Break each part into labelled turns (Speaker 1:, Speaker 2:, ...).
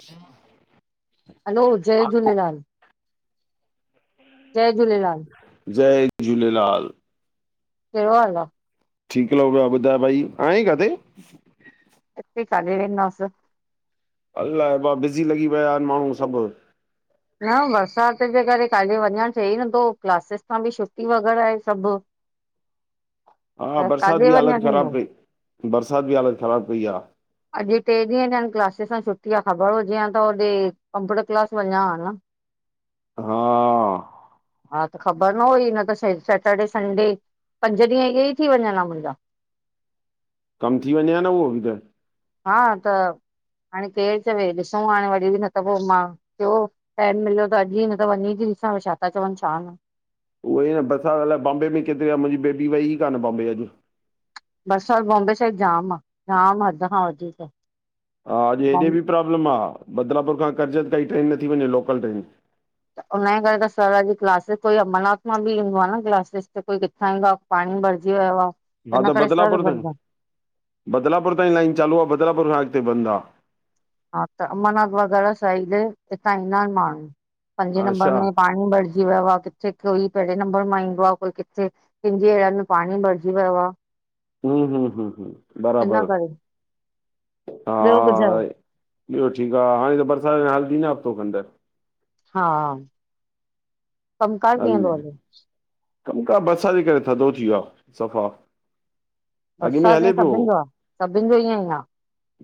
Speaker 1: जी।
Speaker 2: Hello, जय झूलेलाल! जय झूलेलाल!
Speaker 1: जय झूलेलाल!
Speaker 2: केड़ो हाल आ?
Speaker 1: ठीक लॻो प्यो आं, ॿुधाइ भाई आहें काथे?
Speaker 2: इते काॾे वेंदास?
Speaker 1: अलाए ॿा, बिज़ी लॻी पया आहिन माण्हूं सभ।
Speaker 2: न बरसात जे करे काॾे वञण थे ई नथो, क्लासिस खां बि छुट्टी वग़ैरा आहे, सभ।
Speaker 1: हा, बरसात बि
Speaker 2: वञणु
Speaker 1: हालत
Speaker 2: थींदो?
Speaker 1: ख़राब कई, बरसात बि हालत ख़राब कई आ।
Speaker 2: अॼ ट्रे ॾींहं थ्याइन, कलासिस सां छुट्टी आ, ख़बर हुजे हां त होॾे कंप्यूटर क्लास वञा हां न। [inaudible]
Speaker 1: हां
Speaker 2: हा त, ख़बर न हुई न त शै सैटर्डे, संडे पंज ॾींहं इहे ई थी वञन हां मुंजा।
Speaker 1: कम थी वञे हां न हू, बि
Speaker 2: हा, त हाणे केर चवे, ॾिसूं हाणे वरी बि न त पो मां थ्यो, टैम मिल्यो त अॼ ई न त वञी ती ॾिसां, छा था चवन छा न।
Speaker 1: उहोई न बसात अलाए बम्बे में केतरी आ, मुंजी बेबी वई कान बॉम्बे अॼ।
Speaker 2: बरसात बॉम्बे साइड जाम आ, जाम हद खां वधीक।
Speaker 1: हा, अॼ
Speaker 2: बॉम
Speaker 1: हेॾे बि प्रॉब्लम आ, बदलापुर खां कर्जत काई ट्रेन नथी वञे, लोकल ट्रेन।
Speaker 2: त उनजे करे त सर अॼ क्लासिस, कोई अंमरनाथ मां बि ईंदो आ न क्लासिस ते, कोई किथां ईंदो आ। पाणी भरजी वयो आ।
Speaker 1: हा
Speaker 2: हिन
Speaker 1: त,
Speaker 2: करे सर
Speaker 1: बदलापुर ताईं
Speaker 2: भरदा
Speaker 1: बदलापुर ताईं लाइन चालू आ, बदलापुर खां अॻते बंदि आ।
Speaker 2: हा त, अंबरनाथ वग़ैरा साइड, हितां ईंदा एन माण्हूं, पंजे नंबर
Speaker 1: अच्छा
Speaker 2: में पाणी भरजी जी वयो आ, किथे कोई पहिंरे नंबर मां ईंदो आ, कोई किथे, किंनजी एरिया में पाणी भरजी वयो आ।
Speaker 1: हू हूं हूं हूं,
Speaker 2: इन
Speaker 1: बराबर,
Speaker 2: करे
Speaker 1: हा
Speaker 2: ॿियो ॿुधायो?
Speaker 1: ॿयो ठीक आ, हाणे त बरसात अञा हलदी न हफ़्तो खंन त।
Speaker 2: हा, कम कार कीअं तो हले?
Speaker 1: कमकार बरसात जे करे थधो थी वयो आ, सफ़ा। अॻु
Speaker 2: बरसात में
Speaker 1: हले पियो
Speaker 2: सभिन जो आ, सभिन जो ईअंईं आ।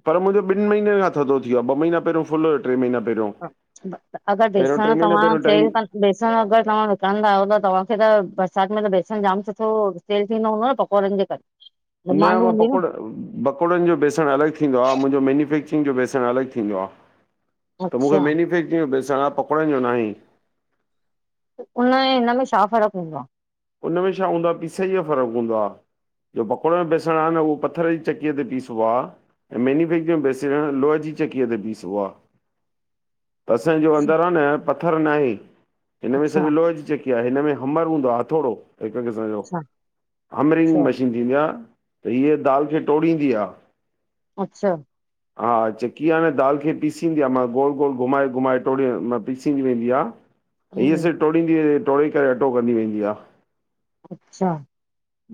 Speaker 1: पर मुंजो, ॿिन महींनन खां थधो थी व्यो आ, ॿ महीना पहिरौं फुल हुयो ट्रे महीना पहिरौं,
Speaker 2: अगरि
Speaker 1: पहिरौं ट्रे
Speaker 2: बेसण
Speaker 1: महीना
Speaker 2: तव्हां
Speaker 1: पहिरौं टाइम
Speaker 2: सेल क बेसण अगर तव्हां विकणंदा आयो त, तव्हांखे त बरसात में त बेसण जाम सुठो सेल थींदो हूंदो न पकोड़न जे करे?
Speaker 1: न
Speaker 2: डिमांड
Speaker 1: मां
Speaker 2: हूंदी न
Speaker 1: पकोड़ा पकोड़न जो बेसण अलॻ थींदो आ, मुंजो मेन्युफैक्चरिंग जो बेसण अलॻ थींदो आ। त मूंखे
Speaker 2: अच्छा
Speaker 1: मेन्युफैक्चरिंग जो बेसण आ, पकोड़ण जो नाहें।
Speaker 2: उन ऐं, हिनमें में छा फ़र्क़ हूंदो आ?
Speaker 1: उनमें छा हूंदो आ, पीसाईय जो फ़र्क़ हूंदो आ। जो पकोड़न में बेसण आ, न उहो पथर जी चकीअ ते पीसबो आ। ऐं मैन्युफेक्चरिंग जो बेसण, लोह जी चकीअ ते पीसबो आ।
Speaker 2: [inaudible]
Speaker 1: त असांजो
Speaker 2: आहे
Speaker 1: अंदर आ न पथर नाहें, हिन में
Speaker 2: अच्छा
Speaker 1: सॼो लोह जी चकी आ हिन में हमर हूंदो आ, ह हथोड़ो, हिक क़िस्म जो,
Speaker 2: अच्छा
Speaker 1: हमरिंग
Speaker 2: अच्छा
Speaker 1: मशीन थींदी आ, त हीअ दाल खे टोड़ींदी आ।
Speaker 2: अच्छा
Speaker 1: हा चिक्की हाणे दाल खे पीसींदी आ मां गोल गोल घुमाए घुमाए टोड़ पीसींदी वेंदी आ हींअ
Speaker 2: हम्म,
Speaker 1: सब टोड़ींदी टोड़े करे अटो कंदी वेंदी आ।
Speaker 2: अच्छा।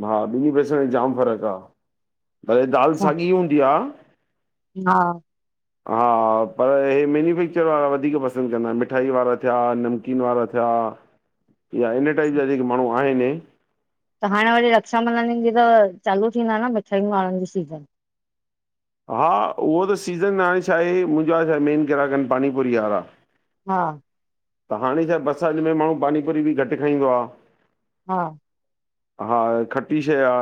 Speaker 1: हा ॿि पैसनि में जाम फ़र्क़ु आ, भले दाल
Speaker 2: अच्छा
Speaker 1: साॻी हूंदी आ।
Speaker 2: हा
Speaker 1: हा पर हे मैन्युफैक्चर वारा वधीक पसंदि कंदा आहिन मिठाई वारा थिया नमकीन वारा थिया।
Speaker 2: [inaudible]
Speaker 1: या इन टाइप जा जेके माण्हूं आहिनि
Speaker 2: त हाणे वरी रक्षाबंधन ईंदी त चालू थींदा न मिठायुनि वारनि जी सीज़न।
Speaker 1: हा उहो त सीज़न हाणे छा आहे मुंहिंजो छा आहे मेन ग्राहक आहिनि पानीपुरी वारा।
Speaker 2: हा।
Speaker 1: त हाणे छा बरसात में माण्हू पानीपुरी बि घट खाईंदो आ।
Speaker 2: हा।
Speaker 1: हा खटी शइ आ,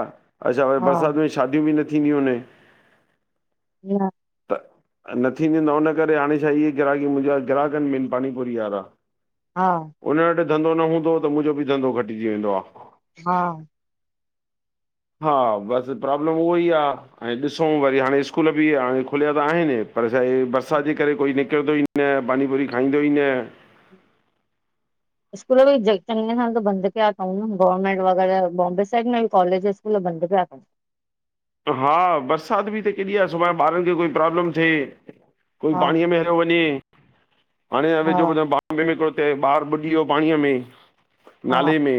Speaker 1: अच्छा व
Speaker 2: हा
Speaker 1: बरसात में शादियूं बि न थींदियूं आहिनि।
Speaker 2: [inaudible]
Speaker 1: त न थींदीयु इन, उन करे हाणे छा इहे ग्राहकी मुंहिंजा ग्राहक आहिनि मेन पानीपुरी वारा।
Speaker 2: हा।
Speaker 1: उन वट धंधो न हूंदो त मुंजो बि धंधो घटिजी वेंदो आ।
Speaker 2: हा।
Speaker 1: हा, बस पॉब्लम उहो ही आ। ऐं ॾिसूं वरी हाणे स्कूल बि हाणे खुलिया त आहिनि पर छाहे बरसात जे करे कोई निकिरंदो ई न पानीपुरी खाईंदो ई न
Speaker 2: स्कूल बि चङे सां त बंद किया थऊनि गवर्नमेंट वग़ैरह बॉम्बे साइड में कॉलेज स्कूल बंदिया कया त उनि।
Speaker 1: हा बरसात बि त केॾी आ, सुभाणे ॿारनि खे कोई प्रॉब्लम थिए कोई
Speaker 2: हा
Speaker 1: पाणीअ में ह वञे हाणे
Speaker 2: हा
Speaker 1: वेझो ॿुधो बॉम्बे में हिकडो ॿारु बुॾी वियो पाणीअ में।
Speaker 2: हा
Speaker 1: नाले में।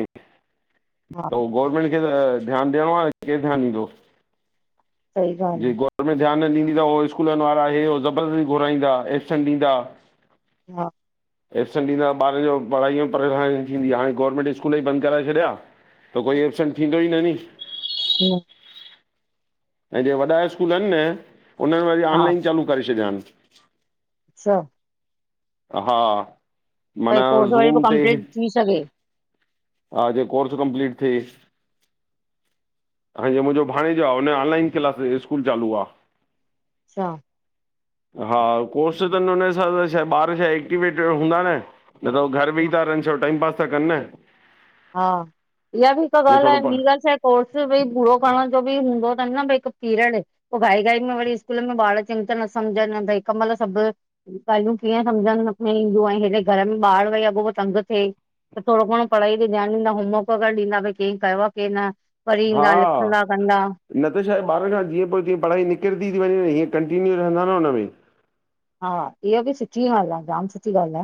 Speaker 2: हा
Speaker 1: त गवरमेंट खे त ध्यान ॾियणो आ न, केरु ध्यान ॾींदो
Speaker 2: सही
Speaker 1: जे ग
Speaker 2: ॻाल्हि
Speaker 1: गोवरमेंट ध्यान ॾीदी त उहो स्कूलन वारा हे हो ज़बरस्ती घुराईंदा एक्शन ॾींदा
Speaker 2: हा।
Speaker 1: एबसेंट ॾींदा ॿारनि जो पढ़ाईअ में परेशानि थींदी हाणे गवर्नमेंट स्कूल ही बंद कराए छॾिया। त कोई एबसेंट थींदो ही न नी।
Speaker 2: [unintelligible]
Speaker 1: ऐं जे वॾा स्कूल आहिनि न उन्हनि वरी
Speaker 2: हा
Speaker 1: ऑनलाइन चालू करे छॾिया आहिनि।
Speaker 2: अच्छा
Speaker 1: हा
Speaker 2: भई
Speaker 1: माना
Speaker 2: कोर्स वरी पोइ
Speaker 1: ज़ूम ते
Speaker 2: कंप्लीट थी सघे
Speaker 1: हा जीअं कोर्स कमपलीट थे। हाणे मुंहिंजो भाणेजो आ हुन जो ऑनलाइन क्लास, स्कूल चालू आ।
Speaker 2: अच्छा
Speaker 1: हा कोर्स त न हुन हिसाब ॿार छा एक्टिवेट हूंदा न। न त उह घर बही था रहनि छडो टाइम पास था कनि न।
Speaker 2: हा इहा बि हिक
Speaker 1: ईअं
Speaker 2: ॻाल्हि
Speaker 1: थोरो
Speaker 2: आहे
Speaker 1: प
Speaker 2: ॿि ॻाल्हि छाहे कोर्स भाई पूरो करण जो बि हूंदो तनि न भाई हिकु पीरियड। पो घाई घाई में वरी स्कूल में ॿार चंॻीतरा न समझनि भाई हिक महिल सब। ॻाल्हियूं कीअं सम्झ में न ईंदियूं हेॾे घर में ॿार वेही अॻो पो तंग थिए। त थोडो घणो पढ़ाई [unintelligible] होमवर्क वगैरह ॾींदा भई कें कयो आ कें न, पढ़ी ईंदा
Speaker 1: हा
Speaker 2: लिखंदा कंदा।
Speaker 1: न त छा आहे, ॿारन जा जीअं पो जीअं पढ़ाई निकिरदी ती वञे हीअं कंटीन्यू रहंदा न हुनमें।
Speaker 2: हा इहा बि सुठी ॻाल् आ, जाम सुठी ॻाल आ।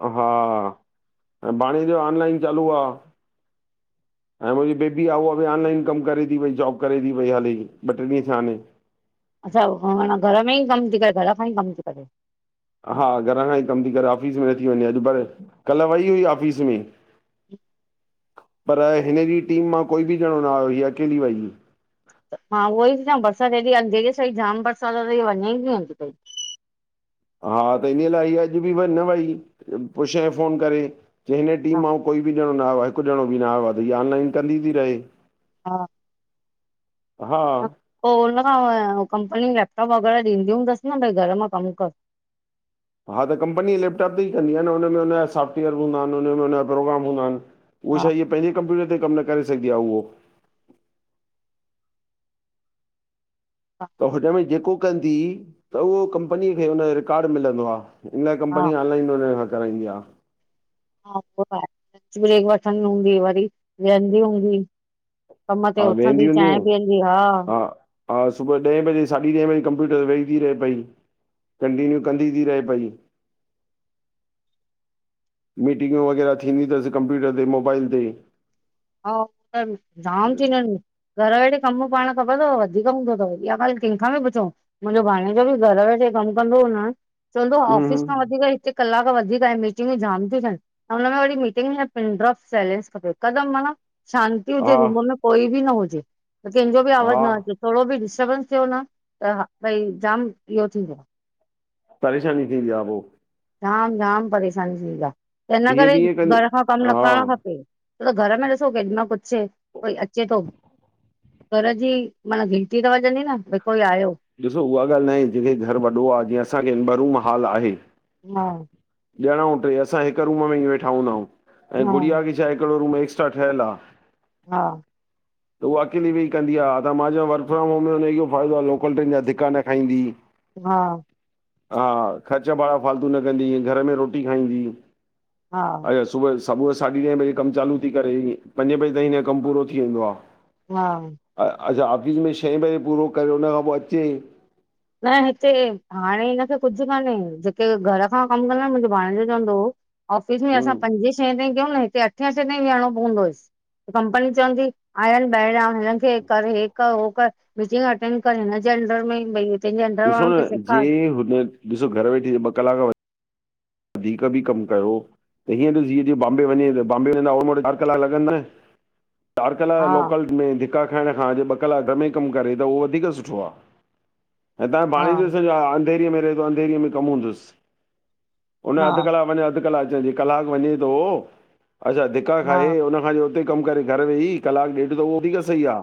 Speaker 1: अऊं हा, ऐं भाणे जो ऑनलाइन चालू आ।
Speaker 2: [inaudible]
Speaker 1: ऐं मुंजी बेबी आ। उहा बि ऑनलाइन कम करे ती पई, जॉब करे ती पई, हाली ॿ ट्रे ॾींहं थिया आहिन।
Speaker 2: अच्छा माना घर में ई कमु ती करे, घर खां ई कमु ती करे।
Speaker 1: हा, घर खां ई कमु ती करे, ऑफ़िस में न थी वञे। अॼ पर कल वई हुई ऑफिस में। पर हिन जी टीम मां कोई बी ॼणो न आयो हीय अकेली वई हुई।
Speaker 2: त मां उहो ई ती चवां, बरसात हेॾी अंधेरे सां ई जाम बरसात त वञे ई नथी पई
Speaker 1: हा, त इन लाइ इय अॼ बी न वई पुछयईं फ़ोन करे। चई, हिन टीम
Speaker 2: हा
Speaker 1: मां कोई बी ॼणो न आयो आ, हिक ॼणो बी न आयो आ त इहा ऑनलाइन कंदी ती रहे।
Speaker 2: हा
Speaker 1: हा
Speaker 2: पो हुनखां कंपनी लैपटॉप वग़ैरह ॾींदी हूंदस भई घर मां कम कर।
Speaker 1: हा त कंपनी लैपटॉप ॾई कंदी आ न, हुनमें हुनजा सॉफ्टवेयर बी हूंदा आइन हुन में हुनजा प्रोग्राम हूंदा आहिन। उह
Speaker 2: हा
Speaker 1: छा आहे, इय पंहिंजे कंप्यूटर ते कम न करे सघदी आ उहो।
Speaker 2: हा
Speaker 1: त हुनमें जेको कंदी, त उओ कंपनीअ खे हुन जो रिकार्ड मिलंदो आ, इन लाइ
Speaker 2: हा
Speaker 1: कंपनी पैंजे लैपटॉप सां कराईंदी आ।
Speaker 2: हा, लंच ब्रेक वठंदी हूंदी, वरी वेहंदी हूंदी। कम ते
Speaker 1: हा वेंदी
Speaker 2: उथंदी, चांहि
Speaker 1: हूंदी
Speaker 2: पीअंदी हा।
Speaker 1: हा, सुबुअ ॾहें बजे साढी ॾहें बजे कंप्यूटर ते वेही ती रहे पई। कंटीन्यू कंदी ती रहे पई। मीटिंगूं वग़ैरह थींदी तस कंप्यूटर ते, मोबाइल ते।
Speaker 2: हा, जाम थींदियूं आहिन। घर वेठे कम पाण ख़बर तव वधीक हूंदो तव, इहा ॻाल केंखां बी पुछो। मुंजो भाणेजो बी घर वेठे कम कंदो हो न। चवंदो हो,
Speaker 1: हम्म
Speaker 2: ऑफिस
Speaker 1: हम्म,
Speaker 2: खां वधीक हिते कलाक वधीक आहे मीट जाम तियूं थियन, हुन में वरी मीटिंग में पिनड्रॉप साइलेंस खपे हिकदम शांती हुजे,
Speaker 1: हा
Speaker 2: रूम में कोई बी न हुजे, त केंजो बी आवाज
Speaker 1: हा
Speaker 2: न अचे। थोड़ो बी डिस्ट्रबेंस थियो न त भई जाम इयो थींदो आ।
Speaker 1: परेशानी थींदी आ पो।
Speaker 2: जाम-जाम परेशानी थींदी आ, त हिन
Speaker 1: हीअ
Speaker 2: करे
Speaker 1: बि ईअं कंदी
Speaker 2: घर खां कम न
Speaker 1: हा
Speaker 2: करण खपे। त न घर में ॾिसो केॾीमल कुछ कोई अचे तो। घर जी माना घिंटी त वजंदी न भई कोई आयो।
Speaker 1: ॾिसो, उहा ॻाल न आहे, जेंखे घर वॾो आ जीअं असांखे हिन ब रूम हाल आहे।
Speaker 2: हा
Speaker 1: ॼणऊं ट्रे असां हिक रूम में वेठा हूंदा आऊं ऐं
Speaker 2: हा
Speaker 1: गुड़िया खे छाहे हिकड़ो रूम एक्स्ट्रा ठयल आ।
Speaker 2: हा
Speaker 1: त उहा अकेली वेही कंदी आ। त मां चयो वर्क फ्रॉम होम में हुनखे इयो फ़ाइदो कुंडिन जा धिका न खाईंदी।
Speaker 2: हा
Speaker 1: हा, ख़र्च भाड़ा फालतू न कंदी इअं घर में रोटी खाईंदी।
Speaker 2: हा
Speaker 1: अ सुबुह सुबुह जो साढी ॾहें बजे कमु चालू थी करे पंजे बजे ताईं हिन जो कमु पूरो थी वेंदो आ।
Speaker 2: हा।
Speaker 1: अच्छा ऑफिस में छह बजे पूरो करे हुन खां पोइ अचे।
Speaker 2: न हिते हाणे हिनखे कुझु कान्हे जेके घर खां कमु कंदा आहिन मुंहिंजो भाणॆजो चवंदो हो। ऑफिस में असां
Speaker 1: हम्म,
Speaker 2: पंजे छहे ताईं कयूं न हिते अठे अठे ताईं वेहणो पवंदोयसि। कंपनी चवंदी आया ईन ॿाहिरियां हिननि खे कर हे कर उहो कर। मीटिंग अटेंड करेें न जेंडर में भई। तुंहिंजे अंडर
Speaker 1: ॾिसो
Speaker 2: वारनि खे
Speaker 1: न जे
Speaker 2: सेखार
Speaker 1: हुन ॾिसो घर वेठे ॿ कलाक वधीक बि कमु कयो। त हीअं त जीअं जीअं तीअ बम्बे वञे त बम्बे वेंदा वटि चारि कलाक लॻंदा चारि कलाक
Speaker 2: हा
Speaker 1: लोकल। में धिका खाइण खां अ जेु ॿ कलाक घर में कमु करे त उहो वधीक सुठो आ। हितां
Speaker 2: हा
Speaker 1: पाणी जो सॼो अधेेरीअ में रहे थो अधेेरीअ में कमु हूंदुसि। उन
Speaker 2: हा
Speaker 1: अधु कलाकु वञे अधु कलाकु अचण थी। कलाकु वञे थो अच्छा धिका खाए
Speaker 2: हा
Speaker 1: हुनखां उते कमु करे घर वेही कलाकु ॾेढ त उहो वधीक सही आ।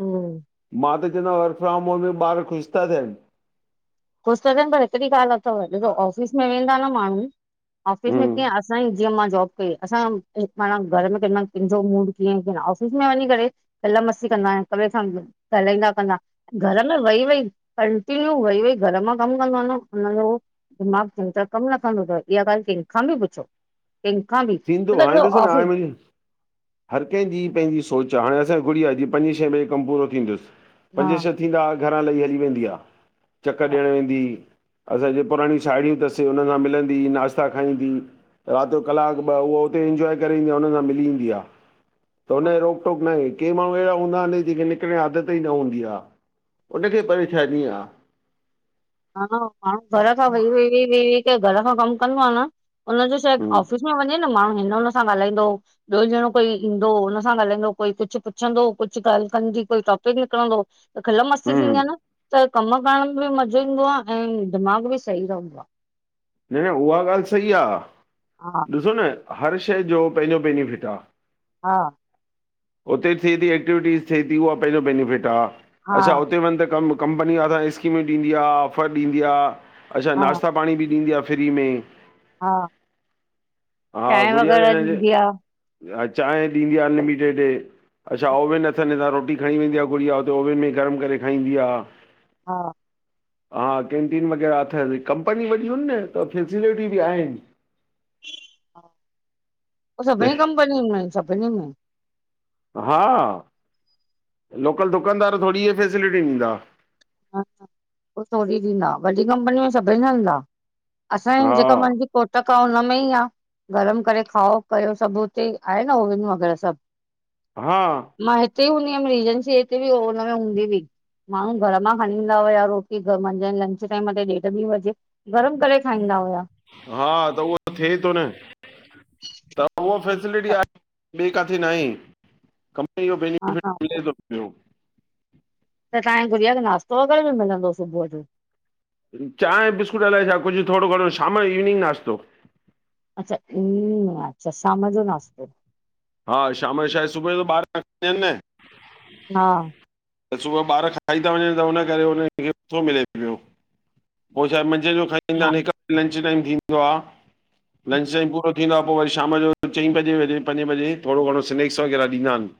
Speaker 2: हूंम। [unintelligible]
Speaker 1: मां त चवंदोआ वर्क फ्रॉम होम में ॿार ख़ुशि था थियनि।
Speaker 2: ख़ुशि था थियनि पर हिकिड़ी ॻाल्हि अथव को ऑफिस में वेंदा न माण्हू ऑफिस में
Speaker 1: हम्म,
Speaker 2: कीअं असांई। जीअं मां जॉब कई असां माना घर में क कंहिंजो मूड कीअं क ऑफिस में वञी करे। खिल मस्ती कंदा हिकॿिए सां ॻाल्हाईंदा कंदा। घर में वई, वई कंटीन्यू वई, वई। घर मां कमु कंदो आहेय न हुनज जो दिमाग़ चिनता कमु न कंदो तव इहा ॻाल्हि कंहिंख खां बि पुछो। कहिखा बि।
Speaker 1: थींदो हाणे ॾिसो न हाणे मुंहिंजी हर कंहिंजी पंहिंजी सोच आ। हाणे असांजी गुड़िया अॼु पंजे छें बजे कमु पूरो थींदुसि
Speaker 2: हा
Speaker 1: पंजे छह थींदा घरां लही, हली वेंदी आहे चकर
Speaker 2: हा
Speaker 1: ॾियणु वेंदी। असांजी पुराणी साहेड़ियूं अथसि हुननि सां मिलंदी नाश्ता खाईंदी राति जो कलाकु। उ उते इंजॉय करे ईंदी आहे हुन सां मिली ईंदी आहे त हुनो
Speaker 2: हा
Speaker 1: रो अटोक न के माण्हू अहिड़ा हूंदा आहिनि जेके निकिरे आदत ई न हूंदी आह। उनखे परेशानी आ।
Speaker 2: हा माण्हू घर खां वेईी, वेई, वेईी क घर खां कमु कंदो आ न हुनज छा
Speaker 1: हम्म
Speaker 2: ऑफिस। में वञे न माण्हू हिन हुन सां ॻाल्हाईंदो। ॿियो ॼणो कोई ईंदो हुन सां ॻाल्हाईंदो कोई कुछु पुछंदो कुछु ॻाल्हि कंदी कोई टॉपिक निकिरंदो। त खिल मस्ती
Speaker 1: हम्म
Speaker 2: थींदी आ न त कमु करण में बि मज़ो ईंदो आ ऐं दिमाग़ बि सही रहंदो आ।
Speaker 1: न, न, उहा ॻाल्हि सही आ।
Speaker 2: हा।
Speaker 1: ॾिसो न हर शइ जो पंहिंजो बैनिफिट आ।
Speaker 2: हा।
Speaker 1: उते थिए थी एक्टिविटीस थिए थी उहा पंहिंजो बेनिफिट आ।
Speaker 2: हा
Speaker 1: अच्छा
Speaker 2: हा
Speaker 1: हुते वञ त कमु। कंपनी वॾा स्कीमूं ॾींदी ऑफर ॾीदी आ, अच्छा
Speaker 2: हा
Speaker 1: नश्ता पाणी बि। ॾीदी आ फ्री में
Speaker 2: हा
Speaker 1: हा
Speaker 2: चांहि
Speaker 1: गुड़िया
Speaker 2: वग़ैरह
Speaker 1: हिन
Speaker 2: ॾींदी आ
Speaker 1: हा चांहि ॾींदी आ अनलिमिटेड। अच्छा ओवन अथनि हितां रोटी खणी वेंदी आ गुड़िया हुते ओवन में गरम करे खाईंदी आ।
Speaker 2: हा।
Speaker 1: हा कैंटीन वग़ैरह अथस कंपनी वॾयू न त फैसिलिटियूं बि आहिनि।
Speaker 2: [inaudible] सभिनी कंपनिनि में सभिनी में।
Speaker 1: हा, लोकल दुकानदार थोरी इहे फैसिलिटी ॾींदा।
Speaker 2: पो थोरी ॾींदा, वॾी कंपनी में सभिनी सां हलंदा असांजी
Speaker 1: हा
Speaker 2: जेका मुंहिंजी कोटक आ हुन में ई आ। गरम करे खाओ कयो सभु हुते आहे न ओवन वग़ैरह सभु।
Speaker 1: हा
Speaker 2: मां हिते हूंदी हुअमि रीजेंसी हिते बि हुनमें हूंदी हुई माण्हू घर मां खणी ईंदा हुया रोटी मंझंदि लंच टाइम ते ॾेढ ॿी बजे गरम करे खाईंदा हुया
Speaker 1: हा त उहो थिए थो न, त उहा फैसिलिटी
Speaker 2: हा
Speaker 1: आहे ॿिए किथे नाहे, कंपनी जो बेनिफिट
Speaker 2: हा उहो
Speaker 1: मिले थो पियो
Speaker 2: त तव्हांजे गुड़िया खे नास्तो वगैरह बी मिलन्दो हो सुबुह जो?
Speaker 1: चांहि बिस्कुट अलाए छा कुझु थोरो घणो शाम जो इवनिंग नाश्तो
Speaker 2: अच्छा इवनिंग नास्तो हम, अच्छा शाम जो नास्तो
Speaker 1: हा शाम जो छा आहे सुबुह जो ॿार खणनि न [unintelligible]
Speaker 2: हा
Speaker 1: त सुबुह ॿार खाई था वञनि त उन करे उन खे नथो मिले पियो पोइ छाहे मंझंदि जो खाईंदा
Speaker 2: हा।
Speaker 1: आहिनि हिकु बजे लंच टाइम थींदो आहे लंच टाइम पूरो थींदो आहे पोइ वरी शाम जो चईं बजे बजे पंजे बजे थोरो घणो स्नैक्स वग़ैरह ॾींदानि।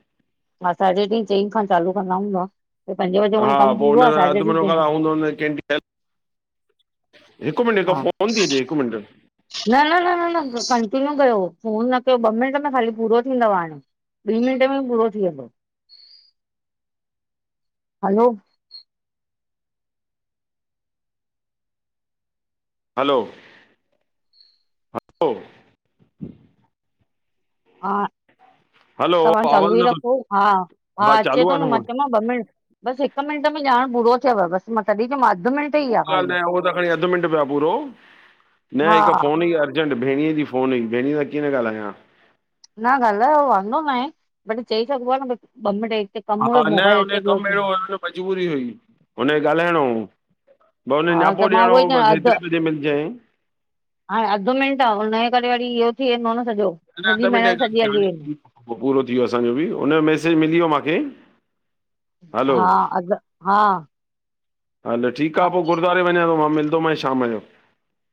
Speaker 2: हा साढे ट्री चईं खां चालू कंदा हूंदा भई पंजे बजे
Speaker 1: हा
Speaker 2: उवई कमु
Speaker 1: पोइ
Speaker 2: पूरो
Speaker 1: हुन
Speaker 2: आहे
Speaker 1: सां अधु
Speaker 2: साढे ट्री
Speaker 1: मुनो
Speaker 2: चईं
Speaker 1: कलाक
Speaker 2: खां
Speaker 1: हिकु मिंट हिकु
Speaker 2: हा।
Speaker 1: फोन थी अचे हिकु मिंट
Speaker 2: न न न न न कंटीन्यू कयो फोन न कयो ॿ मिंट में ख़ाली पूरो थींदव हाणे ॿीं मिंटे में पूरो थी वेंदो हलो
Speaker 1: हलो
Speaker 2: हा,
Speaker 1: हलो
Speaker 2: तव्हां चालू
Speaker 1: आवाज़ु
Speaker 2: ई
Speaker 1: नथो
Speaker 2: रखो हा हा अचे
Speaker 1: चालू
Speaker 2: थो
Speaker 1: आहे
Speaker 2: न मा
Speaker 1: फ़ोन
Speaker 2: चयोमाँव ॿ मिं बसि हिकु मिंट में ॼाण पूरो थियव बसि मां तॾहिं चयोमांव अधु मिंट ई
Speaker 1: कोई
Speaker 2: खाली
Speaker 1: ॻाल्हि न आहे उहो त खणी अधु मिंट पयो आ पूरो न
Speaker 2: हा
Speaker 1: हिकु फोन हुई अर्जेंट भेणीअ जी फोन हुई भेणए सां कीअं न ॻाल्हायां
Speaker 2: न ॻालहायो वांदो न आहे बट चई सघबो आहे न भ ॿ मिंट कमु
Speaker 1: हा
Speaker 2: हुयो
Speaker 1: न
Speaker 2: मोबाइल
Speaker 1: हुन जो
Speaker 2: हिते पियो
Speaker 1: कमु
Speaker 2: थिए
Speaker 1: अहिड़ो हुयो न मजबूरी हुई हुन खे ॻाल्हाइणो हो। बस हुनखे
Speaker 2: हा
Speaker 1: न्यापो
Speaker 2: त मां
Speaker 1: ॾियणो
Speaker 2: उहो ई चवां
Speaker 1: बसि
Speaker 2: अधु
Speaker 1: हेतिरे बजे मिलजांइ
Speaker 2: हाणे अधु मिंट आहे हुनजे करे वरी इहो थी वेंदो न सॼो
Speaker 1: न
Speaker 2: सॼी
Speaker 1: अधु मिंटे
Speaker 2: महिनत सॼी हली वेंदी
Speaker 1: पूरो थी वियो असांजो बि हुनजो मैसेज मिली वियो मूंखे हलो
Speaker 2: हा अघ हा
Speaker 1: हलो ठीकु आ पो गुरुद्वारे वञा थो मां मिलंदोमांइ शाम जो